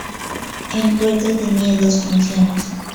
El puerto tenía dos funciones.